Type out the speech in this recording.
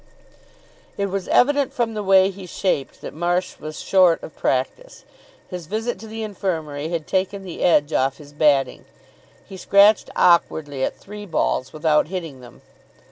It was evident from the way he shaped that Marsh was short of practice. His visit to the Infirmary had taken the edge off his batting. He scratched awkwardly at three balls without hitting them.